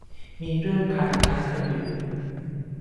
มีเรื่องคัดง้างกันอยู่